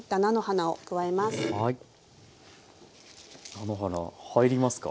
菜の花入りますか？